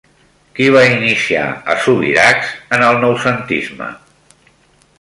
Qui va iniciar a Subirachs en el noucentisme?